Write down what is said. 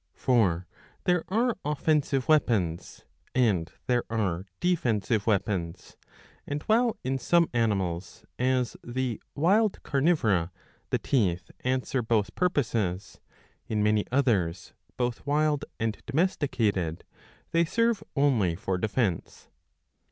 For there are offensive weapons and there are defensive weapons ; and while in some animals, as the wild carnivora, the teeth answer both purposes, in many others, both wild and domesticated, they serve only for defence.